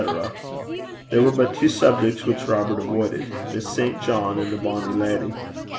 There were but two subjects which Robert avoided Miss St. John and the Bonnie Leddy.